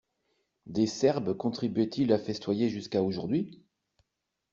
Des serbes contribuaient-ils à festoyer jusqu'à aujourd'hui?